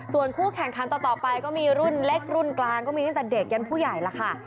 ส่วนคู่แข่งขันต่อไปก็มีรุ่นเล็กรุ่นกลางก็มีตั้งแต่เด็กยันผู้ใหญ่แล้วค่ะ